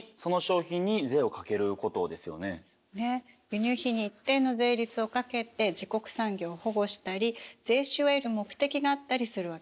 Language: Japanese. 輸入品に一定の税率をかけて自国産業を保護したり税収を得る目的があったりするわけよね。